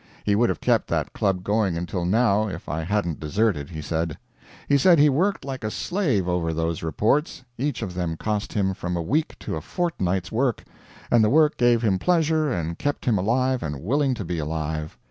He would have kept that Club going until now, if I hadn't deserted, he said. He said he worked like a slave over those reports; each of them cost him from a week to a fortnight's work, and the work gave him pleasure and kept him alive and willing to be alive.